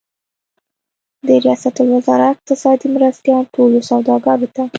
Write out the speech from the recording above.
د ریاست الوزار اقتصادي مرستیال ټولو سوداګرو ته